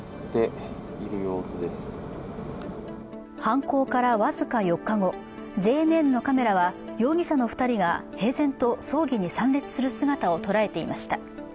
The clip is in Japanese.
犯行から僅か４日後、ＪＮＮのカメラは容疑者の２人が平然と葬儀に参列する姿を捉えていました。